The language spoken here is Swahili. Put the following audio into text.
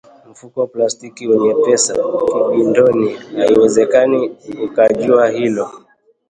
mfuko wa plastiki wenye pesa kibindoni Haiwezekani akajua hilo